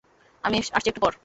আমি আসছি একটু পর।